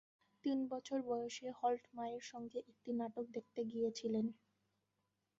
তিন বছর বয়সে হল্ট মায়ের সঙ্গে একটি নাটক দেখতে গিয়েছিলেন।